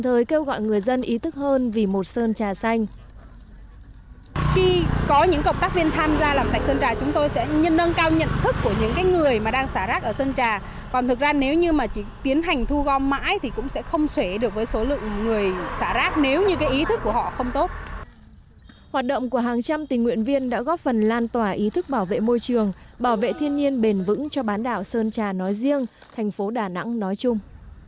hoạt động của hàng trăm tình nguyện viên đã góp phần lan tỏa ý thức bảo vệ môi trường bảo vệ thiên nhiên bền vững cho bán đảo sơn trà nói riêng thành phố đà nẵng nói chung